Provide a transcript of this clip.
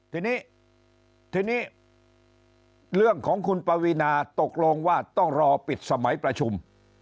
ทีนี้ทีนี้เรื่องของคุณปวีนาตกลงว่าต้องรอปิดสมัยประชุม